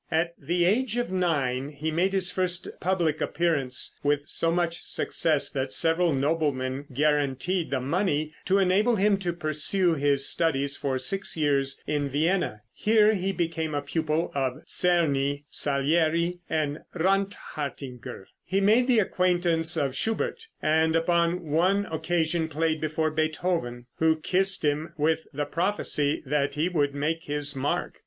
At the age of nine he made his first public appearance, with so much success that several noblemen guaranteed the money to enable him to pursue his studies for six years in Vienna. Here he became a pupil of Czerny, Salieri and Randhartinger. He made the acquaintance of Schubert, and upon one occasion played before Beethoven, who kissed him, with the prophecy that he would make his mark.